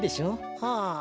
はあ。